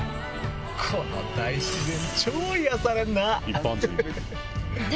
この大自然チョ癒やされんな！